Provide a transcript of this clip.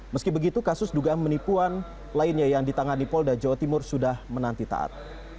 meski begitu kasus dugaan penipuan lainnya yang ditangani polda jawa timur sudah menanti taat